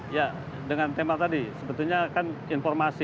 ya dengan tema tadi sebetulnya kan informasi